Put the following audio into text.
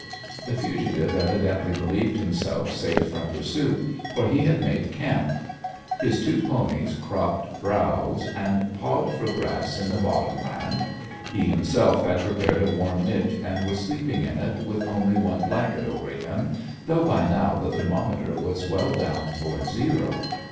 The fugitive evidently believed himself safe from pursuit, for he had made camp. His two ponies cropped browse and pawed for grass in the bottom land. He himself had prepared a warm niche and was sleeping in it with only one blanket over him, though by now the thermometer was well down toward zero.